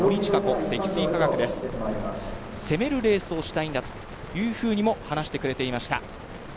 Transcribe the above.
攻めるレースをしたいんだというふうにも話していました。